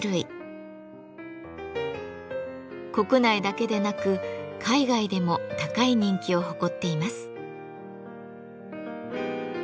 国内だけでなく海外でも高い人気を誇っています。